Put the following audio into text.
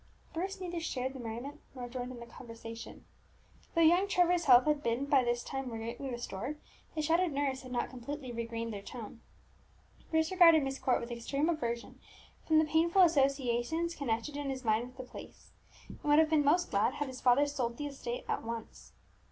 Bruce neither shared the merriment nor joined in the conversation. Though young Trevor's health had by this time been greatly restored, his shattered nerves had not completely regained their tone. Bruce regarded Myst Court with extreme aversion, from the painful associations connected in his mind with the place, and would have been most glad had his father sold the estate at once.